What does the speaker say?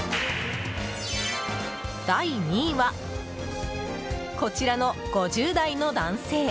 第２位はこちらの５０代の男性。